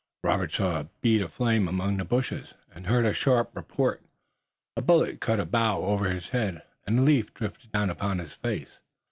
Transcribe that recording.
Robert saw a bead of flame among the bushes, and heard a sharp report. A bullet cut a bough over his head, and a leaf drifted down upon his face.